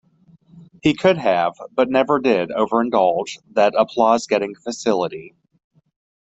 He could have, but never did, overindulge that applause-getting facility.